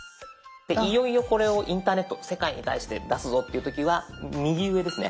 いよいよこれをインターネット世界に対して出すぞっていう時は右上ですね